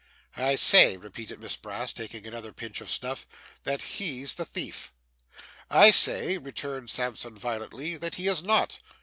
'I say,' repeated Miss Brass, taking another pinch of snuff, 'that he's the thief.' 'I say,' returned Sampson violently, 'that he is not.